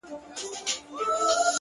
• دا زموږ جونګړه بورجل مه ورانوی,